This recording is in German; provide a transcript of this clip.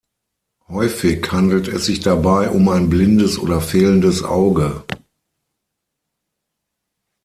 Häufig handelt es sich dabei um ein blindes oder fehlendes Auge.